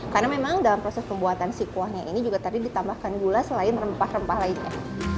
karena memang dalam proses pembuatan si kuahnya ini juga tadi ditambahkan gula selain rempah rempah lainnya